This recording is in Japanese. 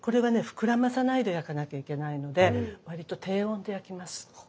膨らまさないで焼かなきゃいけないので割と低温で焼きます。